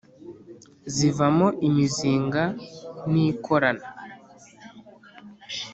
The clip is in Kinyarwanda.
Zivamo imizinga nikorana